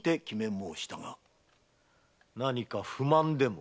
もうしたが何かご不満でも？